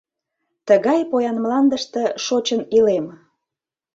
— Тыгай поян мландыште шочын илем.